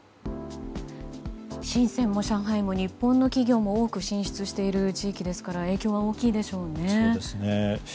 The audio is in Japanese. シンセンも上海も日本の企業が多く進出している地域ですから影響は大きいでしょうね。